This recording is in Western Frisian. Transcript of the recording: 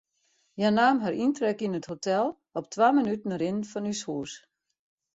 Hja naam har yntrek yn it hotel, op twa minuten rinnen fan ús hûs.